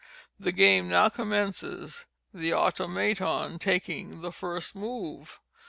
The game now commences—the Automaton taking the first move.